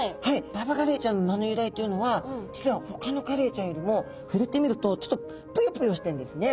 ババガレイちゃんの名の由来というのは実はほかのカレイちゃんよりも触れてみるとちょっとぷよぷよしてるんですね。